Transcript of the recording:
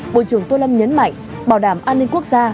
bộ trưởng tô lâm nhấn mạnh bảo đảm an ninh quốc gia